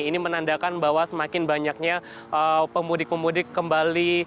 ini menandakan bahwa semakin banyaknya pemudik pemudik kembali